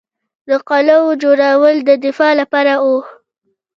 د قلعو جوړول د دفاع لپاره وو